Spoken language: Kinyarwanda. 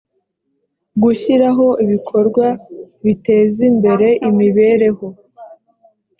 gushyiraho ibikorwa bitezimbere imibereho